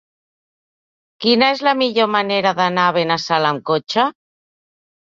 Quina és la millor manera d'anar a Benassal amb cotxe?